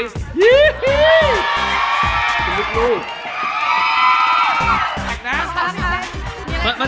ก็เห็นด้วย